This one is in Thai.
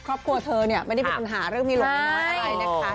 ครอบครัวเธอไม่ได้มีปัญหาหรือมีหล่อเมียน้อยอะไร